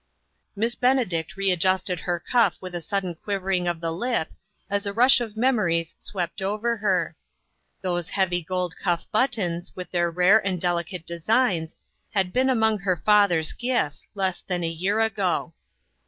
Miss Benedict readjusted her cuff with a sudden quivering of the lip, as a rush of memories swept over her. Those heavy gold cuff buttons, with their rare and delicate 12O INTERRUPTED. designs, had been among her father's gifts, less than a year ago.